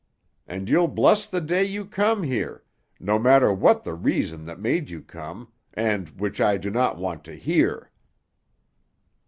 And you'll bless the day you come here—no matter what the reason that made you come, and which I do not want to hear."